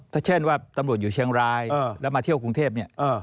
ถ้าเช่นว่าตำรวจอยู่เชียงรายแล้วมาเที่ยวกรุงเทพเนี่ย